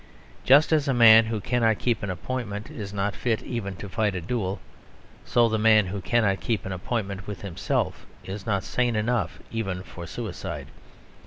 Just as a man who cannot keep an appointment is not fit even to fight a duel, so the man who cannot keep an appointment with himself is not sane enough even for suicide.